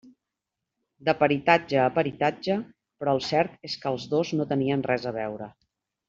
De peritatge a peritatge, però el cert és que els dos no tenien res a veure.